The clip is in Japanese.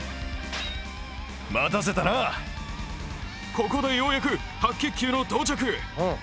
ここでようやく白血球の到着。